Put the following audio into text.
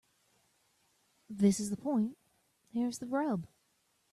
this is the point. There's the rub